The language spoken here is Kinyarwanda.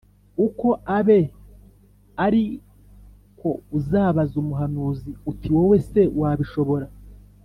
Uko abe ari ko uzabaza umuhanuzi uti Wowe se wabishobora